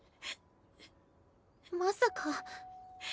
まさか。